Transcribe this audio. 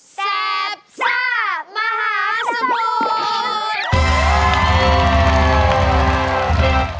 แซ็บซ่ามหาสมุทร